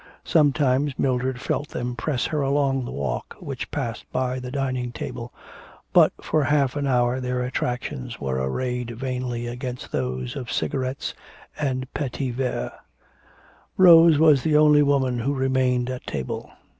Sometimes Mildred felt them press her along the walk which passed by the dining table. But for half an hour their attractions were arrayed vainly against those of cigarettes and petits verres. Rose was the only woman who remained at table.